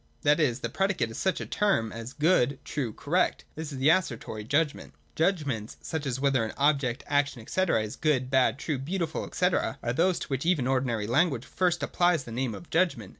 That is, the predicate is such a term as good, true, correct. This is the Assertory judgment. Judgments, such as whether an object, action, &c. is good, bad, true, beautiful, &c., are those to which even ordinary language first applies the name of judgment.